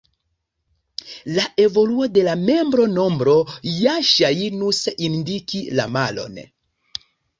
La evoluo de la membronombro ja ŝajnus indiki la malon.